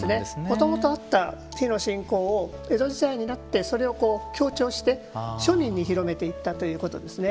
もともとあった火の信仰を江戸時代になってそれを強調して庶民に広めていったということですね。